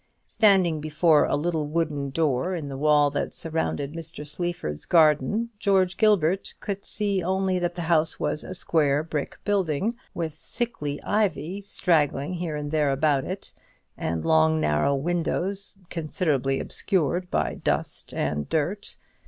Standing before a little wooden door in the wall that surrounded Mr. Sleaford's garden, George Gilbert could only see that the house was a square brick building, with sickly ivy straggling here and there about it, and long narrow windows considerably obscured by dust and dirt.